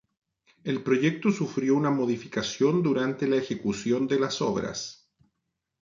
El proyecto sufrió una modificación durante la ejecución de las obras.